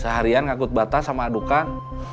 seharian ngakut batas sama adukan